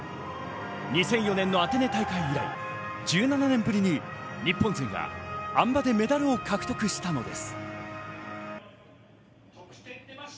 ２００４年のアテネ大会以来１７年ぶりに日本勢は、あん馬でメダルを獲得したのです。